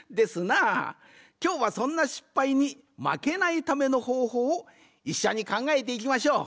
きょうはそんな失敗にまけないためのほうほうをいっしょにかんがえていきましょう。